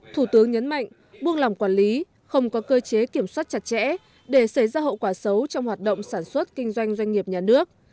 thủ tướng nhấn mạnh buông lòng quản lý không có cơ chế kiểm soát chặt chẽ để xảy ra hậu quả xấu trong hoạt động sản xuất kinh doanh doanh nghiệp nhà nước